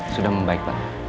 sudah membaik pak